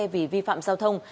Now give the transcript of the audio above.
vì vi phạm giao thông